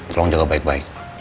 tolong jaga baik baik